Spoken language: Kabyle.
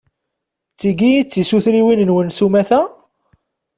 D tigi i d tisutriwin-nwen s umata?